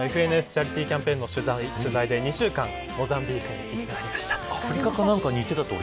ＦＮＳチャリティーキャンペーンの取材で２週間モザンビークに行ってまいりました。